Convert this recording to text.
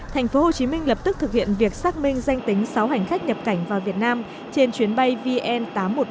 tp hcm lập tức thực hiện việc xác minh danh tính sáu hành khách nhập cảnh vào việt nam trên chuyến bay vn tám trăm một mươi bốn